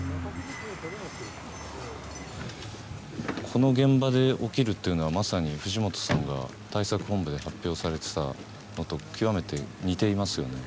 この現場で起きるというのはまさに藤本さんが対策本部で発表されてたのと極めて似ていますよね？